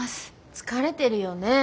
疲れてるよねえ。